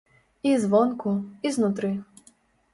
І звонку, і знутры.